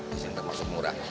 di sini termasuk murah